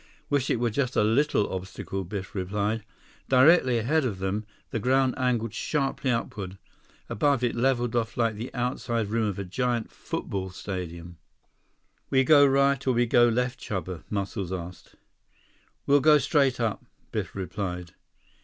"Wish it were just a little obstacle," Biff replied. Directly ahead of them, the ground angled sharply upward. Above, it leveled off like the outside rim of a giant football stadium. "We go right or we go left, Chuba?" Muscles asked. "We'll go straight up," Biff replied.